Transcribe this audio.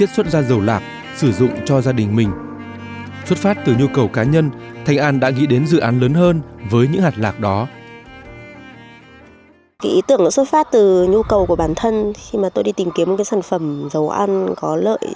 xuất phát từ nhu cầu cá nhân thanh an đã nghĩ đến dự án lớn hơn với những hạt lạc đó